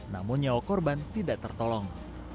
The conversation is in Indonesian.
namun nyawa korban tidak tertolong